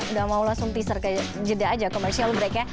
udah mau langsung teaser ke jeda aja commercial break ya